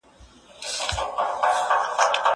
زه کولای سم چای وڅښم!؟